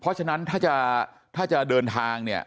เพราะฉะนั้นถ้าจะเดินทางเนี่ย